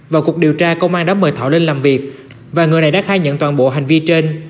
vào cuộc điều tra công an đã mời thọ lên làm việc và người này đã khai nhận toàn bộ hành vi trên